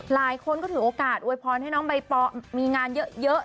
หลายคนก็ถือโอกาสอวยพรให้น้องใบปอมีงานเยอะ